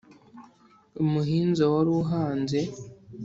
umuhinza wari uhanze